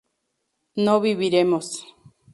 no viviremos